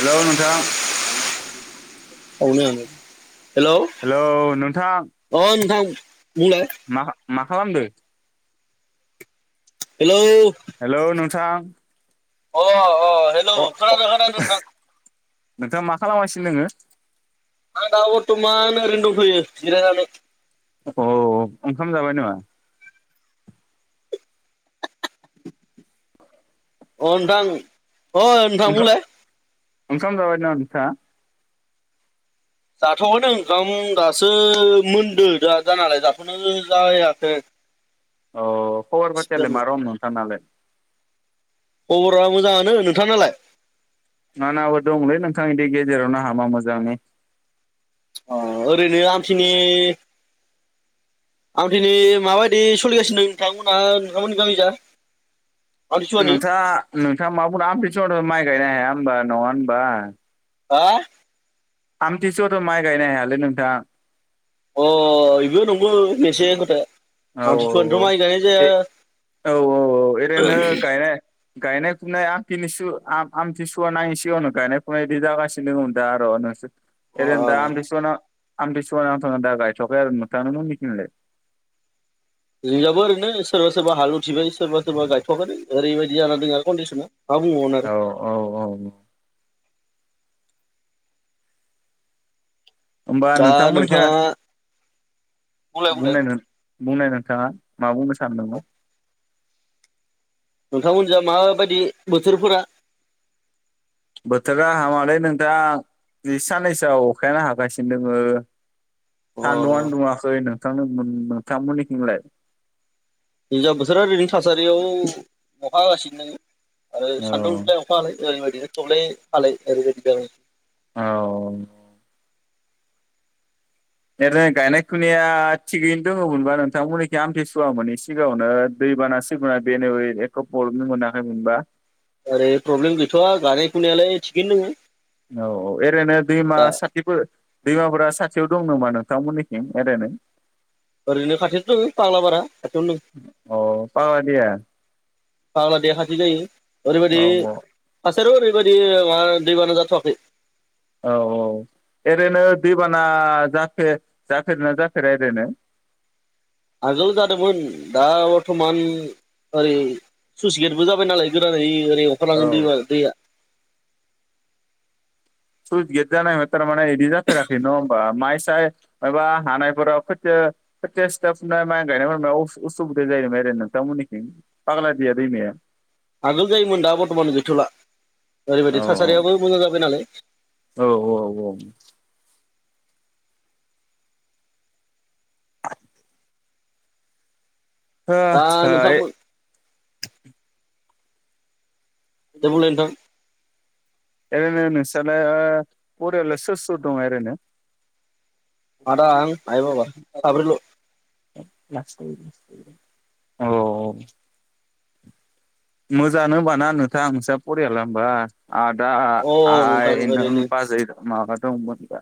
हेल' नोंथां। [inaudible] हेल' अ हेलौ नोंथां नोंथां। बुंलाय मा मा। खालामदों। हेलौ। हेल' । नोंथां। अ। अ हेल' अ अ खोनादों खोनादों नोंथां। नोंथाङा मा खालामगासिनो दङो। आं दा बरथमान दङो ओरैनो जिरायनानै। औ ओंखाम जाबाय नामा। औ नोंथां। अ नोंथां ओंखाम बुलाय। ओंखाम जाबाय नामा नोंथां? जाथ'दों ओंखाम दासो मोनदो दा जानालाय जाथ'नो जायाखै। अ खबर फाथियालाय मा रखम नोंथांनालाय? खबरा मोजाङानो, नोंथां नालाय? आंनाबो दंलै नोंथां बिदि गेजेरावनो हामा मोजांनि। अ ओरैनो आमथिनि आमथिनि माबायदि सलिगासिनो दों नोंथांमोनहा नोंथांमोननि गामि जा? आमथिसुवानि नोंथांङा नोंथांङा मा बुंदों आमथिस थ' माइ गायनो हाया होनबा नंङा होनबा? हा? आमथि सोवायावथ' माइ गायनो हायालै नोंथां अ इबो नंगो मोनसे खोथा औ औ औ ए औ औ औ एरैनो गायनाय गायनाय फुनाय आमथिनिसु आमथिसुवा नांङैनि सिगांङावनो गायनाय फुनाय बिदि जागासिनो दंङ दा आर' दासो ओरैनो दा जोंनियाबो आमथिसुवा नां आमथिसुवा नथ'ना दा गायथ'आखै आरो नोंथां मोननिथिं लाय? जोंनिजाबो ओरैनो सोरबा सोरबा हालौथिबाय सोरबा सोरबा गायथ'वाखै ओरैबायदि जानानै दों आरो कन्दिसना औ औ औ होमबा दा नोंथांमोननिखै नोंथांङा बुंनाय नों बुंनाय नोंथांङा मा बुंनो सानदों बा नोंथांमोननि जा माबायदि बोथोरफोरा? बोथोरा हामालै नोंथां बि साननैसोआव अखायानो हागासिनो दोंङो अ सानदुंङानो दुंङाखै नो [inaudible] नोंथां मोननि खि लाय दैजा बोथोरा ओरैनो थासारियाव अखा हागासिनो दोंङो आरो औ सानदुं दुंलाइ अखा हालाय सिगांनि बाइदिनो दुंलाय हालाइ ओरै बायदिनो आरो औ औ ओरै गायनाय फुनाया थिगैनो दोंङोमोनबा नोंथांमोननिखि आमथिसुवा मोनि सिगांङावनो दैबाना सिगुना बेनो एख' प्रब्लेम मोनाखैमोनबा ओरै प्रब्लेम गैथ'वा गायनाय फुनायालाय थिगैनो दोंङो औ औ एरैनो दैमा साथिफोर दैमाफोरा साथियाव दं नामा? नोंथांमोननिथिं एरैनो ओरैनो खाथियावनो दोंङो फाग्लाबारा खाथियावनो दोंङो। अ पावादिया पाग्ला दैया खाथि जायो ओरैबायदि औ थासारियाव ओरै बेबायदि मा दैबाना जाथ'वाखै औ औ ओरैनो दैबाना जाफे जाफेरोना जाफेरा ओरैनो आगोल जादोंमोन दा बरथमान ओरै सुस गेटबो जाबाय नालाय गोदानै ओरै अखारलांङो औ दैमा दैया सुसगेट दालांङा फोरा माने इदि जाथाराखै नंङा होमबा माइ साय मायबा हानायफोराव फोरखो खोथिया सिथा फुनाय माइ गायनायफोरनाव उसु-उसुबिदा जायोनामा ओरै नोंथांमोननिथिं फाग्ला दैया दैमाया आगोल जायोमोन दा बरथमान गैथ'ला औ ओरैबायदि थासारियाबो मोजां जाबाय नालाय । औ औ [inaudible] हो दा हाय नोंथांमोन थेवबोलै नोंथां? ओरैनो नोंसोरो परेलै सोर सोर दं आरैनो? आदा आं आय बाबा साब्रैल । औ औ मोजाङानो होमबाना नोंथाङ नोंस्रा फरियाला होमबा । आदा अ नोंथां आइ नों ओरैनो बाजै माबा दंमोन दा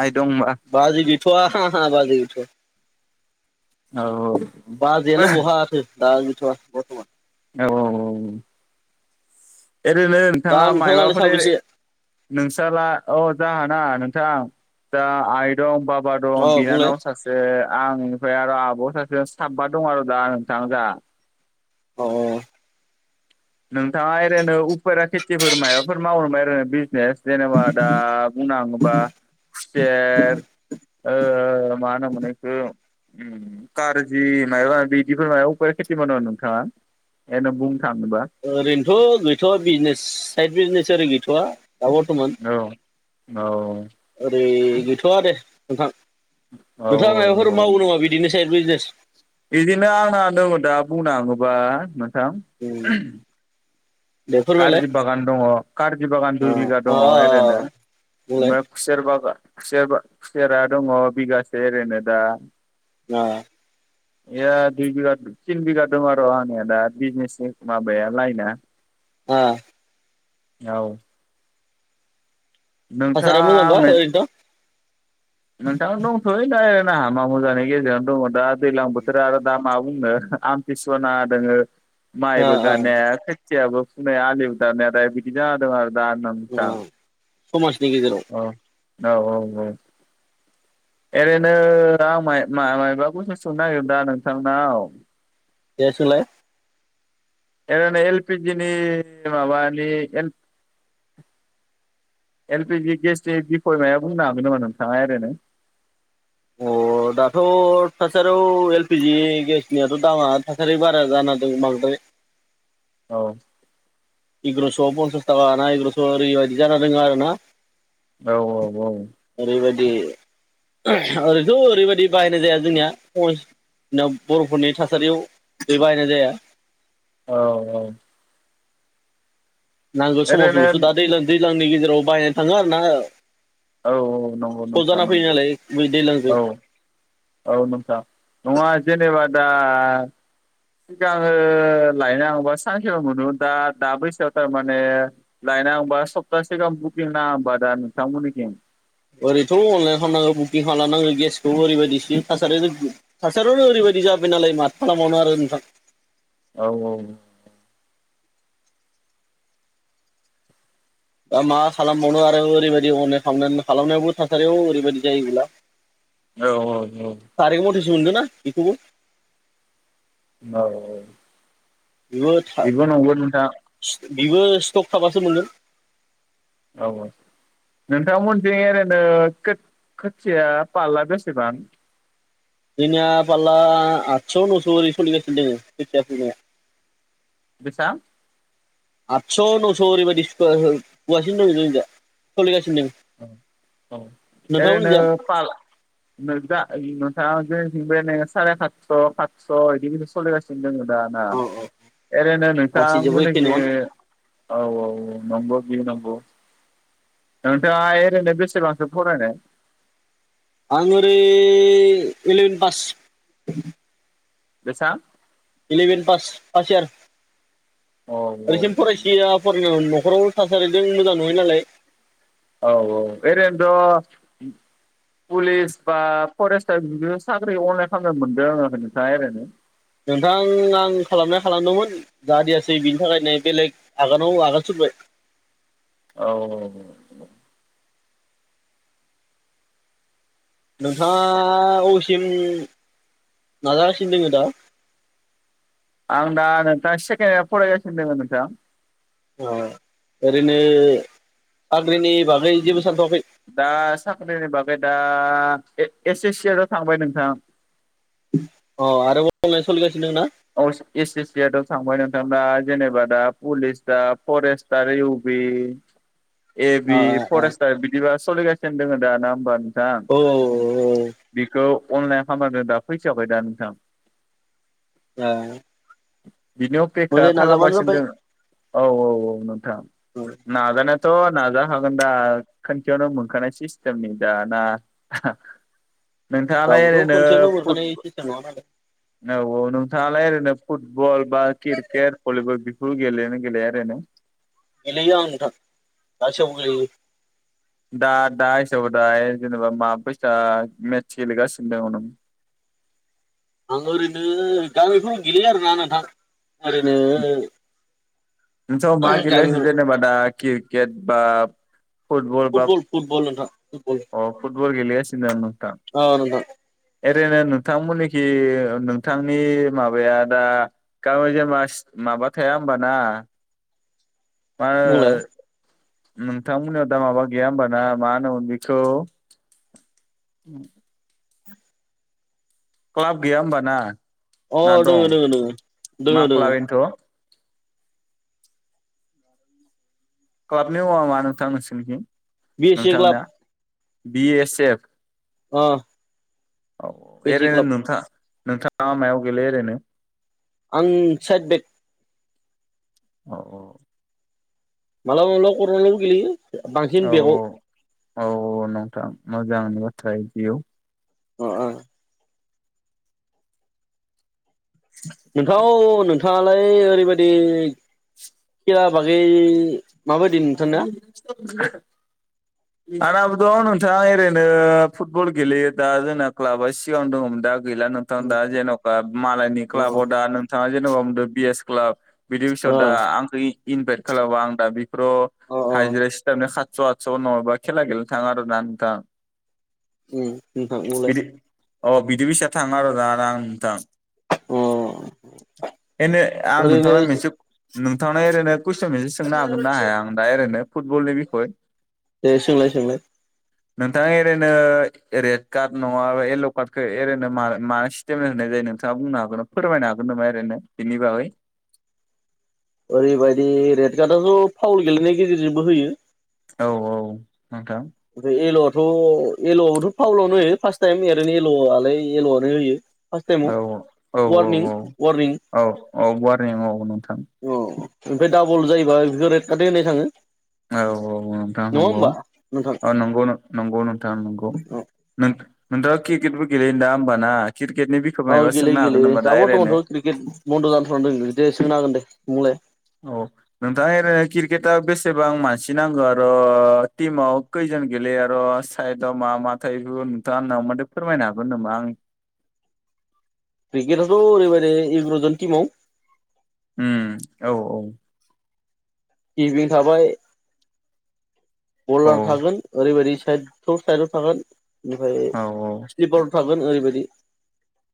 आइ दंबा बाजै गैथ'आ हा बाजै गैथ'आ औ औ बहाथो दा गैथ'आ बरथमान औ औ औ ओरैनो दा नोंथाङा नोंथांलाहालाय मयबाफोर साबैसे नोंसाला अ जा ना नोंथां दा आय दं बा बा अ दं बुंलाय बिनानाव सासे आं ओमफ्राय आरो आब' सासेजों साब्बा दं आरो दा नोंथां दा औ औ नोंथाङा एरैनो उफेरा खेथिफोर माबाफोर मावांबा आरो बिजनेस जेनेबा दा बुंनाङोबा खुथेर मा होनोम मोनो बेखौ कारजि माबा बिदिफोर माबा उफेरा खेथि मावो नोंथाङा बेनो बुंनो थाङोबा? ओरैनोथ' गैथ'वा बिजनेस साइद बिजनेस ओरै गैथ'वा दाबरथमान औ औ आरै गैथ'आ दे नोंथां नोंथाङा मायबाफोर मावोनामा बिदिनो ए बिजनेस बिदिनो आंना दङ दा बुंनो थाङोबा नोंथां दे फोरमायलाय कारजि बागान, दङ कारजि बागान अ दुइ बिगा अ दङ ओरैनो बुंलाय ओमफ्राय खुसेर बागान खुसेर -खुसेरा दङ बिगासे एओरैनो दा अ बेयो दुइ बिघा थिन बिगा दं आरो आंनिया दा बिजनेसनि माबाया लाइना आ औ [unintelligible] नोंथाङा मोजां बा आंनो ओरैनोथ' नोंथां दंथ'यो दा हामा मोजांनि गेजेरावनो दङ दा दैलां बोथोर आरो [unintelligible] मा बुंनो आमथिसु नांना दोङो। अ माइबो अ गायनो हाया खोथिया आलिबो दाननो हाया बिदि जाना दं आरो। [unintelligible] समाज [unintelligible] गेजेराव औ औ औ औ ओरैनो आं माइ-माइ-माबाखौसो सोंनो नागिर दा नोंथांनाव दे सोंलाय ओरैनो एल पि जि नि माबानि एल पि जि गेसनि बिखय मायबा बुंनो हागोन नामा नोंथाङा ओरैनो। अ दाथ' थासारियाव एल पि जि गेसनियाथ' दामा थासारि बारा जाना द बांद्राय औ एग्र'स' पनसास थाखा लाना एग्र'स' ओरैबायदि जा दङो आरो ना। औ औ औ बे ओरैथ' ओरैबायदि बाहायनाय जाया जोंनिया समाव बर'फोरनि थासारियाव बे बाहायनाय जाया। औ औ नांगो ओरैनो समावसोल' दा दैलां सिगांनि गेजेराव बाहायनो थाङो आरो ना। औ औ नंगौ सट नोंथां जाना फैयो नंगौ नालाय बै दैज्लांजों औ औ नोंथां नङा जेनेबा दा सिगाङो लायनाङोबा सानसेेबो मोनोम दा -दा बैसोआव थारमाने लायनोङाबा सप्ता सिगां बुकिं नाङा होनबा दा नोंथांमोननिथिं ओरैथ' अनलाइन खालामनांगो बुकिं खालामनांगो गेसखौबो ओरैबायदिस्लि थासारि थासारियावनो ओरैबायदि जाबाय नालाय माथो खालामबावनो आरो नोंथां। औ औ दा मा खालामबावनो आरो ओरैबायदि अनेक खालामनायावबो थासारियाव ओरैबायदि जायोब्ला औ औ औ मोनगोन ना बेखौबो। औ औ बेबो बिबो नंगौ नोंथां बेबो स्टक थाबासो मोनो। औ नोंथांमोनथिं ओरैनो खोथि-खोथिया फालला बेसेबां? जोंनिया फालल आथस' नस' ओरै सलिगासिनो दङ खोथिया। ज आदस' नौस' ओरैबायदि सुव होुासिनो दङ जों दया सोलिगासिनो दङ [inaudible] औ औ रैनो जा फाल नजा नथाङ जे बिनिफ्रायनो साराय सातस' सास' बिदि बिदि सलिगासिनो दोङो दाना औ औ एरैनो नोंथाङा गासैजोंबो मने एखे नङानो औ औ नांगौ बि नंगौ नोंथाङा ओरैनो बेसेबांसो फरायनाय? आं ओरैनो एलेन पास। बेसां? इलेभेन फास फासट इयार औ औ रसिम फरायसिया न'खराव थासारिजों मोजां नङै नालाय औ औ ओरैनोथ' पुलिस बा फरेस्टआव बि साख्रि अनलाइन खालामनो मोनदों आङो नोंथाङा ओरैनो नोंथां आं खालामना खालामदोंमोन जादियासै बिनि थाखायनो बेलेग आगानाव आगान सुरबाय औ नोंथाङा मबेनि [unintelligible] नाजागासिनो दोङो दा आं दा नोंथां सेकण यार फराय गसिनो नोंथां अ ओरैनो साख्रिनि बागै जेबो सानथ'वाखै दा साख्रिनि बागै दा एस ए सियाव थांबाय नोंथां अ आरो अनलाइन सलिगासिनो औ एसे एस सियाथ' थांबाय ना? ना जेनेबा दा पुलिस दा फरेस्टा इउ बि ए अ बि अ अ फरेस्ट आरो बिदिबा सलि गासिनो दोंङो दा ना होमबा? दा औ औ [inaudible] बेखौ अनलाइन खालामदों दा फैथ'वाखै दा नोंथां औ बिनियाव पेक खालामगासिनो दङ औ औ औ न नाजानायाथ' थ' नाजाखागोन दा खानसेयावनो मोनखानाय सिस्टेमनि दाना नोंथाङालाय रावबोथ' ओरैनो खनसेयावनो मोनखानाय फुटबल सिस्टेम नङा नालाय औ नों [unintelligible] फुटबल बा क्रिकेट भलिबल बिखौ गेलेयोना गेलेया ओरैनो गेलेयो आं नोंथां गासैखौबो गेलेयो दा दा हिसाबै दाह जेनेबा मा मेटच गेलेगासिनो दं नों आं ओरैनो दा बेफोरबादि गेलेया आरो ना नोंथां ओरैनो नोंथाङा मा गेलेयो गामिफोर जेनोबा दा क्रिकेट बा फुटबल फुटबल नोंथां फुटबल अ फुटबल गेलेगासिनो आं नोंथां अ नोंथां एरेनो नोंथां मोननि खि नोंथांनि माबाया दा गाबोयामा जेनेबा माबा थाया होनबा ना? मा बुंलाय नोंथां मोननियाव दा माबा गैया होनबा ना मा होनोमोन बिखौ क्लाब गैया होमबा ना? अ दोङो दं दोङो दोङो मा दोङो। क्लाब इनोथ'? क्लाबनि मुङा मा नोंथां नोंसोरनि खै? B C club B S F अ औ बि एस ए एरैनो क्लाब नोंथां नोंथाङा मायाव गेलेयो ओरैनो आं साइद बेग औ माब्लाबा माब्लाबा कर'नालावबो गेलेयो। बांसिन औ बेगाव औ औ नोंथां मोजांनि बाथ्रा एयाव अ -अ नोंथां नोंथाङालाय ओरैबायदि खेला बागै माबायदि नोंथांना [unintelligible] आना थ' नोंथाङा ओरैनो फुटबल गेलेयो दा जोंना क्लाबा सिगां दङमोन दा गैला नोंथां अ दा जेन'का मालायनि क्लाबाव दा नोंथाङा जेनबा बुंदो बिएस क्लाब बिदि बिसआव अ दा आ इनभाइद खालामबा आं दा अ अ हाइजिरा सिटाबनो खा सादस' आदस' नङाबा खेला गेलेनो थाङा आरो ना नोंथां। बिदि [unintelligible] अ बिदि फिसा थाङो आरो दा आं नोंथां। अ एनो आं ओरैनो नोंथांनाव मोनसे नोंथांना एरैनो [unintelligible] ना हाया आं दा ओरैनो फुटबलनि बिखय दे सोंलाय नोंथां ओरैनो रेड कार्ड नङाबा येल' कार्डखौ ओरैनो मा मा सि्टेम होनाय जायो नोंथाङा बुंनो हागोन न फोरमायनो हागोन नामा ओरैनो बिनि बागै ओरैबायदि रेड गार्डआथ' फावउल गेलेनायनि गेजेरजोंबो होयो औ औ नोंथां ओमफ्राय एल'आथ' एल'आवबोथ' फावलावनो होयो फास टाइम एरनो एल' आलाय एल'आनो होयो फार्स्ट औ टाइमाव औ औ वारनिं औ वारनिं औ औ वारनिं औ नोंथां अ ओमफ्राय डाबल जायोबा बेखौ रेट खाट होनाय थाङो औ औ नोंथां नङा नंगौ होमबा नोंथां ओ नंगौ नंगौ नोंथां नंगौ नों नोंथाङा क्रिकेटबो गेल दा होमबा ना क्रिकेटनि बिखय औ मायबा सोंनो गेलेयो हागोन गेलेयो, नामा दा ओरैनो बरथ'मानथ' क्रिकेट बन्द' जान'ना दं, दे सोंनो हागोन दे [unintelligible] औ नोंथाङा ओरैनो क्रिकेटआ बेसेबां मानसि नांगौ आरो' टिमाव खैजोन गेलेयो आरो' साइदआव मा मा थायो बेफोरखौ नोंथाङानाव मानो फोरमायनो हागोन नामा आंनो क्रिकेटआथ' ओरैबदि एगार'जन टिमाव ओम औ औ [unintelligible] थाबाय औ बलार थागोन ओरैबायदि [unintelligible] साइदाव थागोन निफ्राय औ स्लिपाराव था गोन ओरैबायादि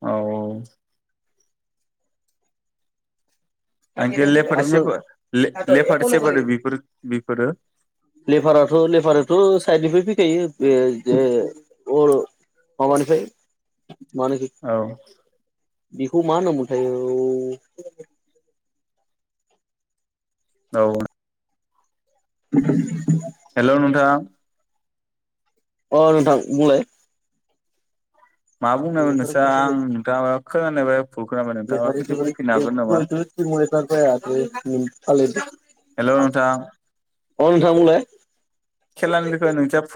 औ औ आंखौ लेफार सेफार लेफार सेफार बेफोर बेफोरो [unintelligible] लेफाराथ' लेफाराथ' साइडनिफ्राय फैखायो बे अ माबानिफ्राय औ बिखौ मा होनोमोनथाय ओम औ [inaudible] हेलौ नोंथां अ नोंथां बुंलाय मा बुंनायमोन नोंस्रा आं नोंथाङा [unintelligible] नोंथाङा लेफारि खनसे सेफारि बुंफिननो हागोन नामा हेल' [unintelligible] अ नोंथां नोंथां बुंलाय खेलानि बेखय नोंथाङा फुट